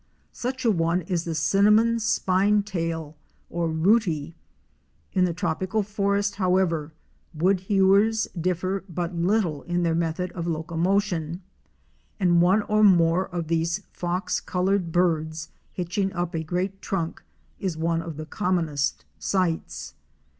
Such a one is the Cinna mon Spine tail ™ or '' Rootie"' (p. 379). In the tropical forest however, Woodhewers differ but little in their method of locomotion, and one or more of these fox colored birds hitch ing up a great trunk is one of the commonest sights.